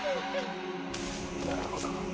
なるほど。